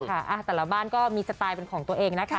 แต่ละบ้านก็มีสไตล์เป็นของตัวเองนะคะ